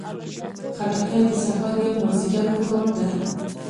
خټکی د سهار یا مازدیګر خوراک ده.